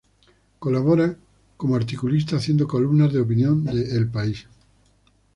Colabora como articulista haciendo columnas de opinión para El País.